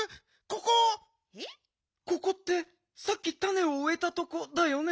ここってさっきたねをうえたとこだよね？